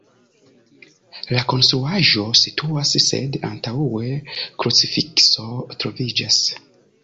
La konstruaĵo situas, sed antaŭe krucifikso troviĝas.